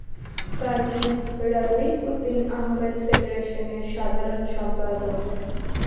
কাজী রাজিব উদ্দিন আহমেদ ফেডারেশনের সাধারণ সম্পাদক।